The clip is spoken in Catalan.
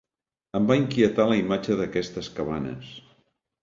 Em va inquietar la imatge d’aquestes cabanes.